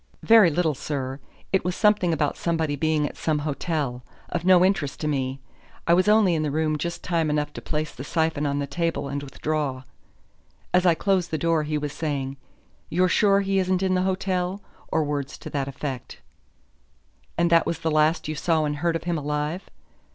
"Very little, sir; it was something about somebody being at some hotel of no interest to me. I was only in the room just time enough to place the syphon on the table and withdraw. As I closed the door he was saying: 'You're sure he isn't in the hotel?' or words to that effect." "And that was the last you saw and heard of him alive?"